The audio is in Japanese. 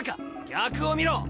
逆を見ろ！